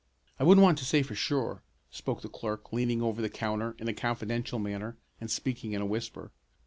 "I wouldn't want to say for sure," spoke the clerk, leaning over the counter in a confidential manner and speaking in a whisper.